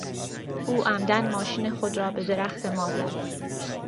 او عمدا ماشین خود را به درخت ما زد.